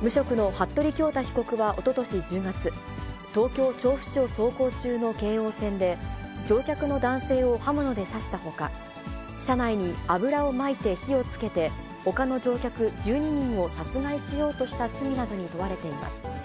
無職の服部恭太被告はおととし１０月、東京・調布市を走行中の京王線で、乗客の男性を刃物で刺したほか、車内に油をまいて火をつけて、ほかの乗客１２人を殺害しようとした罪などに問われています。